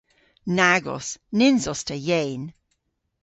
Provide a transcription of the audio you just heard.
Nag os. Nyns os ta yeyn.